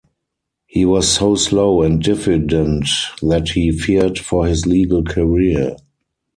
He was so slow and diffident that he feared for his legal career.